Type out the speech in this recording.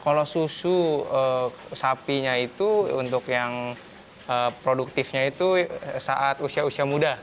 kalau susu sapinya itu untuk yang produktifnya itu saat usia usia muda